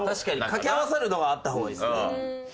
かけ合わさるのがあった方がいいですよね。